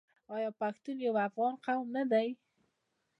آیا پښتون یو افغان قوم نه دی؟